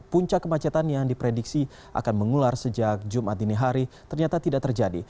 puncak kemacetan yang diprediksi akan mengular sejak jumat dini hari ternyata tidak terjadi